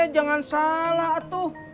jangan salah atuh